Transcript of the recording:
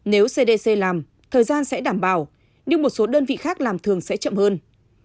nếu cdc làm thời gian sẽ đảm bảo nhưng một số đơn vị khác làm thường sẽ chậm hơn